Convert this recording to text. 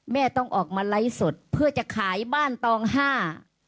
แม่ต้องออกมาไลฟ์สดเพื่อจะขายบ้านตองห้า